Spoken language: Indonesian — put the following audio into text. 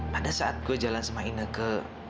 pada saat gue jalan sama ine ke